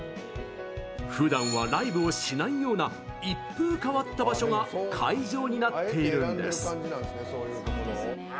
ふだんはライブをしないような一風変わった場所が会場になっているんです。